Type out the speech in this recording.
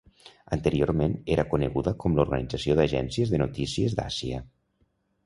Anteriorment era coneguda com l'Organització d'Agències de Notícies d'Àsia.